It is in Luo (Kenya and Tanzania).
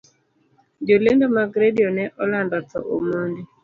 Jolendo mag radio ne olando thoo omondi